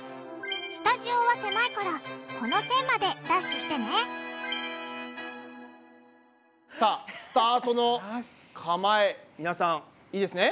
スタジオは狭いからこの線までダッシュしてねさあスタートのかまえ皆さんいいですね？